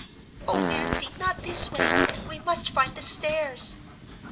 "Oh, Mamsie, not this way; we must find the stairs."